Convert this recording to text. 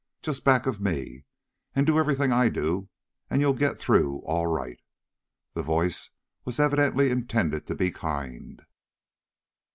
Just back of me, and do everything I do and you'll get through all right." The voice was evidently intended to be kind.